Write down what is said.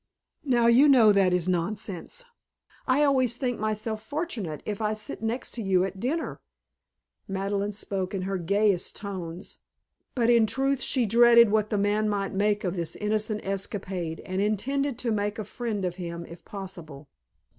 "Now you know that is nonsense. I always think myself fortunate if I sit next you at dinner." Madeleine spoke in her gayest tones, but in truth she dreaded what the man might make of this innocent escapade and intended to make a friend of him if possible.